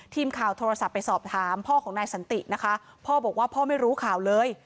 ทีมข่าวโทรศัพท์ไปสอบถามพ่อของนายสันตินะคะพ่อบอกว่าพ่อไม่รู้ข่าวเลย